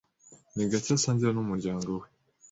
ni gake asangira n'umuryango we.